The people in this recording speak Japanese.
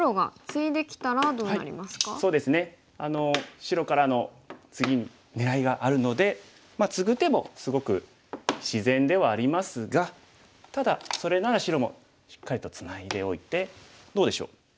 白からの次に狙いがあるのでツグ手もすごく自然ではありますがただそれなら白もしっかりとツナいでおいてどうでしょう？